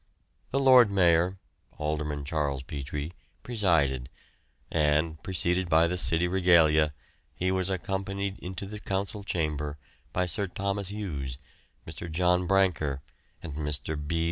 The Lord Mayor (Alderman Charles Petrie) presided, and, preceded by the city regalia, he was accompanied into the Council chamber by Sir Thomas Hughes, Mr. John Brancker, and Mr. B.